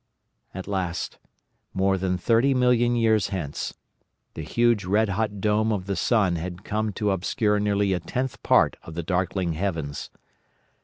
At last, more than thirty million years hence, the huge red hot dome of the sun had come to obscure nearly a tenth part of the darkling heavens.